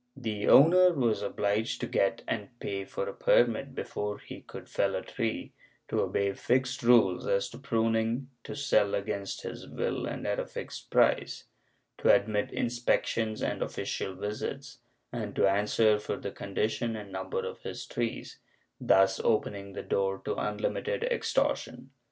The owner was obliged to get and pay for a permit before he could fell a tree, to obey fixed rules as to pruning, to sell against his will and at a fixed price, to admit inspections and official visits, and to answer for the condition and number of his trees — thus opening the door to unlimited extortion.